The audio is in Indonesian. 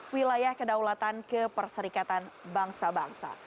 wilayah kedaulatan keperserikatan bangsa bangsa